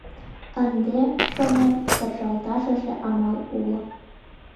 Ынде, шонем, кержалташыже амал уло.